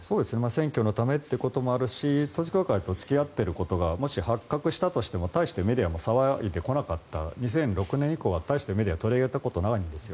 選挙のためということもあるし統一教会と付き合っていることがもし発覚したとしても大してメディアも騒いでこなかった２００６年以降は大してメディアは取り上げたことがないんです。